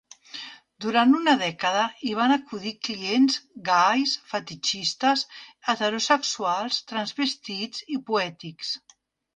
Durant una dècada, hi van acudir clients gais, fetitxistes, heterosexuals, transvestits i poètics.